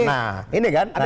nah ini kan